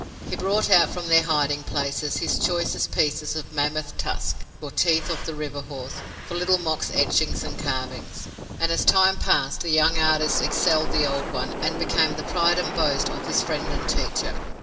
He brought out from their hiding places his choicest pieces of mammoth tusk or teeth of the river horse for Little Mok's etchings and carvings. And, as time passed, the young artist excelled the old one, and became the pride and boast of his friend and teacher.